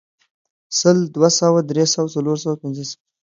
سل، دوه سوه، درې سوه، څلور سوه، پنځه سوه